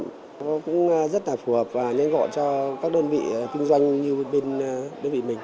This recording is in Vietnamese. nó cũng rất là phù hợp và nhanh gọn cho các đơn vị kinh doanh như bên đơn vị mình